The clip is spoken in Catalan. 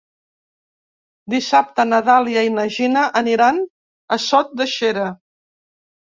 Dissabte na Dàlia i na Gina aniran a Sot de Xera.